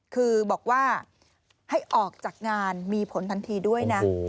คือบอกว่าให้ออกจากงานมีผลทันทีด้วยนะ